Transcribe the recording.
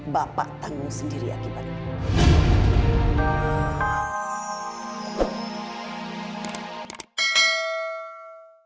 bapak tanggung sendiri akibatnya